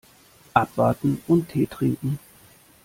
Abwarten und Tee trinken.